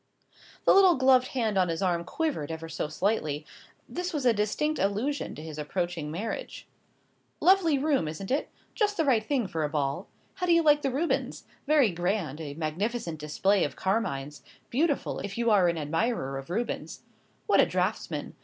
The little gloved hand on his arm quivered ever so slightly. This was a distinct allusion to his approaching marriage. "Lovely room, isn't it? Just the right thing for a ball. How do you like the Rubens? Very grand a magnificent display of carmines beautiful, if you are an admirer of Rubens. What a draughtsman!